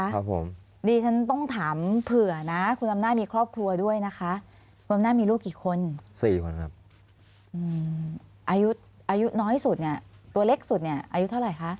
อายุน้อยสุดเนี่ยตัวเล็กสุดเนี่ยอายุเท่าไหร่คะ